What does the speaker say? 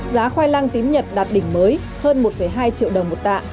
giá khoai lang tím nhật đạt đỉnh mới hơn một hai triệu đồng một tạ